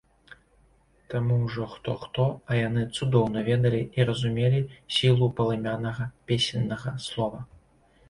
Таму ўжо хто-хто, а яны цудоўна ведалі і разумелі сілу палымянага песеннага слова.